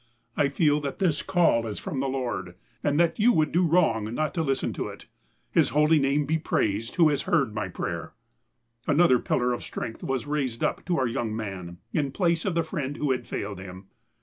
I feel that this call is from the Lord, and that you would do wrong not to listen to it. His holy name be praised who has heard my prayer !" Another pillar of strength was raised up to our young man, in place of the friend who had failed him.